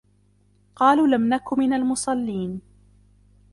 قَالُوا لَمْ نَكُ مِنَ الْمُصَلِّينَ